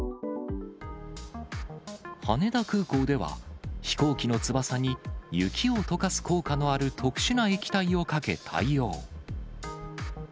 羽田空港では、飛行機の翼に雪をとかす効果のある特殊な液体をかけ、対応。